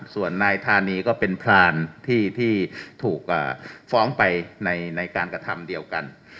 ส่วนนายธานีก็เป็นพรานที่ถูกฟ้องไปในการกระทำเดียวกัน